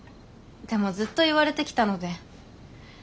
でもずっと言われてきたので。